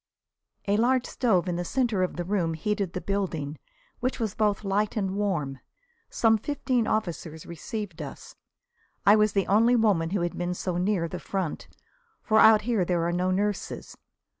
A large stove in the centre of the room heated the building, which was both light and warm. Some fifteen officers received us. I was the only woman who had been so near the front, for out here there are no nurses.